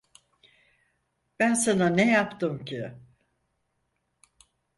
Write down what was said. Ben sana ne yaptım ki?